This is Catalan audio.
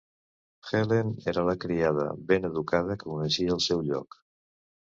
Helene era la criada ben educada que coneixia el seu lloc.